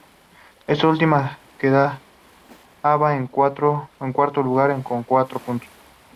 Ésta última, quedaba en cuarto lugar con cuatro puntos.